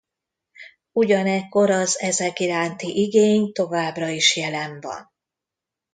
Ugyanekkor az ezek iránti igény továbbra is jelen van.